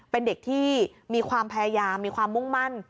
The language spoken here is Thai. เป็นเด็กที่มีความพยายามมีความมุ่งมั่น